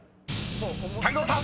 ［泰造さん］